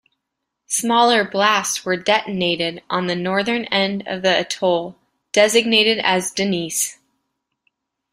Smaller blasts were detonated on the northern end of the atoll, designated as Denise.